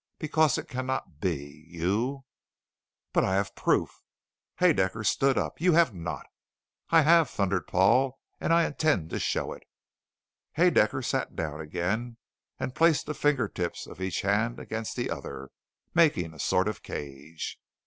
"Because it can not be! You " "But I have proof!" Haedaecker stood up. "You have not!" "I have!" thundered Paul. "And I intend to show it!" Haedaecker sat down again and placed the fingertips of each hand against the other, making a sort of cage.